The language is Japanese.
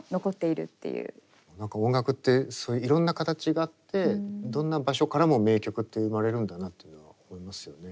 何か音楽っていろんな形があってどんな場所からも名曲って生まれるんだなっていうのは思いますよね。